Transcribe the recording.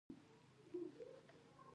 خو دا نظمونه تل خیالي بنسټ لري.